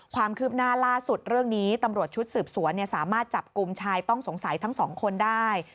ความคืบหน้าล่าสุดเรื่องนี้ตำรวจชุดสืบสวนสามารถจับกลุ่มชายต้องสงสัยทั้งสองคนได้